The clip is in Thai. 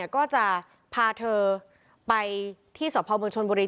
ก็จะพาเธอไปที่สพเมืองชนบุรี